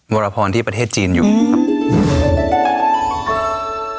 วรพรที่ประเทศจีนอยู่ครับ